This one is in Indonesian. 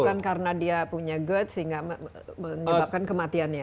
bukan karena dia punya gerd sehingga menyebabkan kematiannya